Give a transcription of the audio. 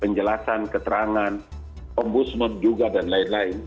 penjelasan keterangan ombus mod juga dan lain lain